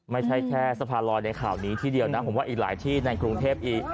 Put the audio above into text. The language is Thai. ไม่ใช่แค่สะพานลอยในข่าวนี้ที่เดียวนะผมว่าอีกหลายที่ในกรุงเทพอีก